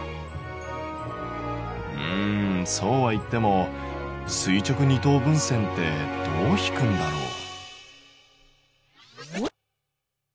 うんそうはいっても垂直二等分線ってどう引くんだろう？